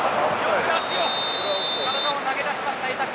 体を投げ出しました、板倉。